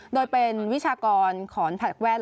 โดยเป็นวิชากรขอนแพล็กแว่น